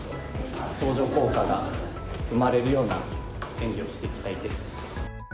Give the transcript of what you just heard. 相乗効果が生まれるような演技をしていきたいです。